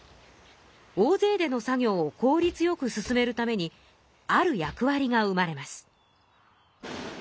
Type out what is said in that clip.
大ぜいでの作業を効率よく進めるためにある役わりが生まれます。